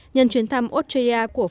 nhân chuyến thăm australia của phóng viện